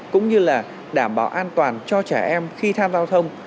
cũng như là đảm bảo an toàn cho trẻ em trên phương tiện giao thông